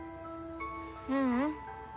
ううん。